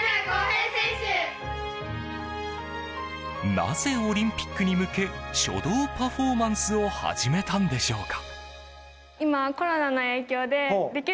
なぜ、オリンピックに向け書道パフォーマンスを始めたんでしょうか。